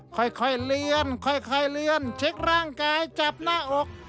ค่อยเหลื่อนเหลื่อนเช็กร่างกายจับหน้าอก